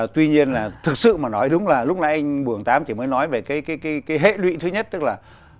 tuy nhiên là thực sự mà nói đúng là lúc nãy anh bùi tám thì mới nói về cái hệ lụy thứ nhất tức là